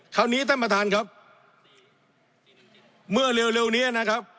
คราวนี้ท่านประธานครับเมื่อเร็วเร็วเนี้ยนะครับ